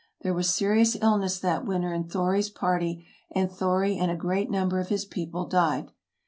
There was serious illness that winter in Thori 's party, and Thori and a great number of his people died.